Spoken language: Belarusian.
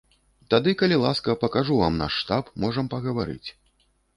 Тады калі ласка, пакажу вам наш штаб, можам пагаварыць.